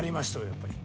やっぱり。